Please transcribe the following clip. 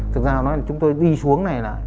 thực ra chúng tôi đi xuống này